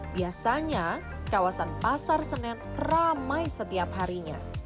biasanya kawasan pasar senen ramai setiap harinya